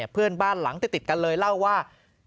เพื่อนบ้านหลังติดกันเลยเล่าว่า